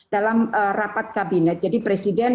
dalam rapat kabinet jadi presiden